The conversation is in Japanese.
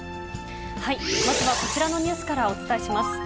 まずはこちらのニュースからお伝えします。